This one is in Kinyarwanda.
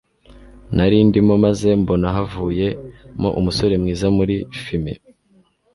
narindimo maze mbona havuye mo umusore mwiza muri fime